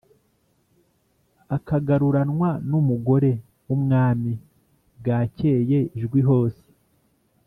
akagaruranwa numugore wumwami bwakeye ijwi hose